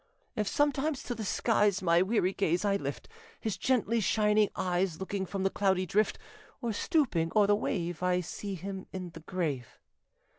If sometimes to the skies My weary gaze I lift, His gently shining eyes Look from the cloudy drift, Or stooping o'er the wave I see him in the grave.